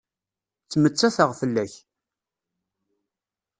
Ttmettateɣ fell-ak.